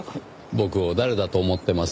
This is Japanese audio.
僕を誰だと思っています？